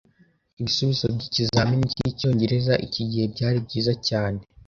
Ibisubizo by'ikizamini cy'icyongereza iki gihe byari byiza cyane.